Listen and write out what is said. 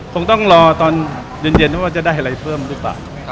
คงต้องรอตอนเย็นว่าจะได้อะไรเพิ่มหรือเปล่า